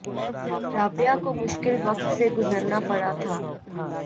رابعہ کو مشکل وقت سے گزرنا پڑا تھا